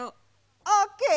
オッケー！